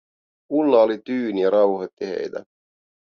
Ulla oli tyyni ja rauhoitti heitä.